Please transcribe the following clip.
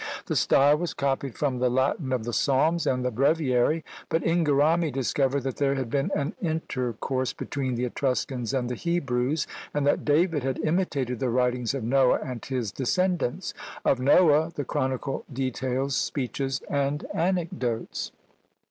The style was copied from the Latin of the Psalms and the Breviary; but Inghirami discovered that there had been an intercourse between the Etruscans and the Hebrews, and that David had imitated the writings of Noah and his descendants! Of Noah the chronicle details speeches and anecdotes!